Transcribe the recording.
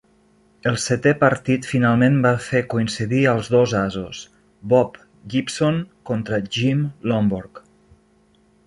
El setè partit finalment va fer coincidir als dos asos: Bob Gibson contra Jim Lonborg.